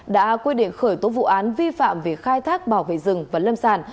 đã quy định khởi tố vụ án vi phạm về khai thác bảo vệ rừng và lâm sàn